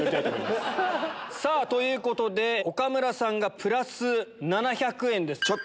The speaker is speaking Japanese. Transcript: さぁということで岡村さんがプラス７００円です。